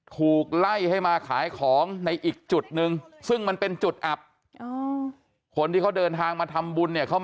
ถูกไล่ให้มาขายของในอีกจุดหนึ่งซึ่งมันเป็นจุดอับ